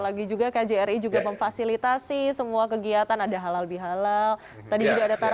lagi juga kjri juga memfasilitasi semua kegiatan ada halal bihalal tadi sudah ada